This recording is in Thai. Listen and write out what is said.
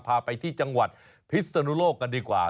พาไปที่จังหวัดพิศนุโลกกันดีกว่า